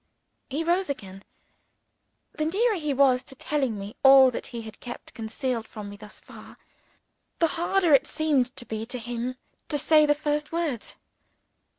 He rose again. The nearer he was to telling me all that he had kept concealed from me thus far, the harder it seemed to be to him to say the first words.